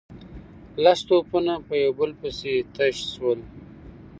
لس توپونه په يو بل پسې تش شول.